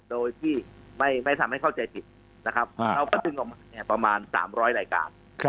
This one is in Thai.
โดยที่ไม่ทำให้เข้าใจผิดนะครับเราก็ดึงออกมาประมาณ๓๐๐รายการ